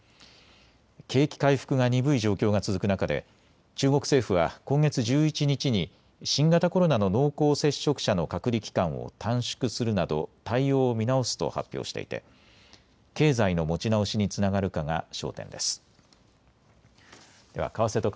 景気回復が鈍い状況が続く中で中国政府は今月１１日に新型コロナの濃厚接触者の隔離期間を短縮するなど対応を見直すと発表していて経済の持ち直しにつながるかが焦点です。